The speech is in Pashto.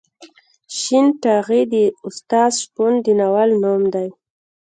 شین ټاغی د استاد شپون د ناول نوم دی.